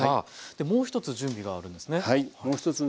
もう一つ準備があるんですね。